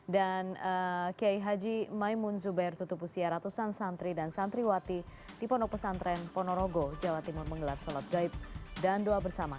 dan kiai haji maimun zubair tutupusya ratusan santri dan santriwati di pono pesantren pono rogo jawa timur menggelar sholat gaib dan doa bersama